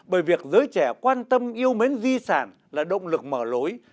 bởi việc giới trẻ quan tâm yêu mến di sản là động lực mở lối